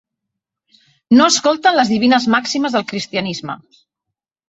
No escolten les divines màximes del cristianisme.